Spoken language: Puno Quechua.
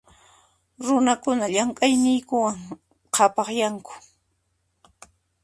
Runakuna llamk'ayninkuwan qhapaqyanku.